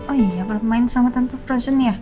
oh iya belum main sama tante frozen ya